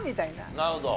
なるほど。